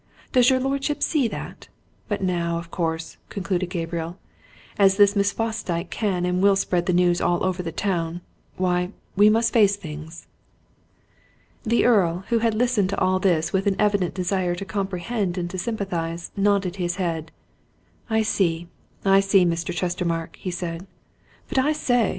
Does your lordship see that? But now, of course," concluded Gabriel, "as this Miss Fosdyke can and will spread the news all over the town why, we must face things." The Earl, who had listened to all this with an evident desire to comprehend and to sympathize, nodded his head. "I see I see, Mr. Chestermarke," he said. "But I say!